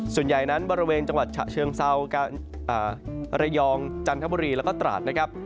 ส่วนใหญ่นั้นบริเวณจังหวัดฉะเชิงเซาระยองจันทบุรีแล้วก็ตราดนะครับ